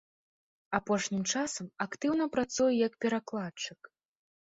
Апошнім часам актыўна працуе як перакладчык.